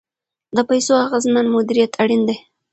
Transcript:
د پیسو اغیزمن مدیریت اړین دی.